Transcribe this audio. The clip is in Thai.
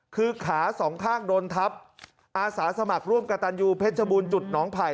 คือขาสองข้างโดนทับอาสาสมัครร่วมกับตันยูเพชรบูรณจุดหนองไผ่